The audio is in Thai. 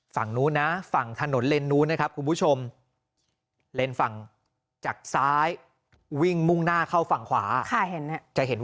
สั่งบุ๊ชชมเลนฝั่งจากซ้ายวิ่งมุ่งหน้าเข้าฝั่งขวาจะเห็น